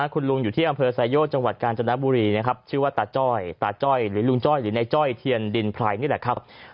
คุณลุงอยู่ที่อำเภอสายโยชน์จังหวัดกาญจนบุรีชื่อว่าตาจ้อยหรือลุงจ้อยหรือในจ้อยเทียนดินพรายนี่แหละครับ